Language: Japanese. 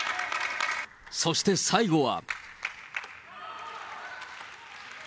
そして最後は。